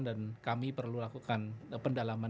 dan kami perlu lakukan pendalaman